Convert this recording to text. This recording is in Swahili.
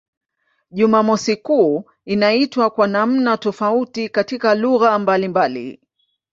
Jumamosi kuu inaitwa kwa namna tofauti katika lugha mbalimbali.